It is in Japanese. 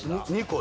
２個。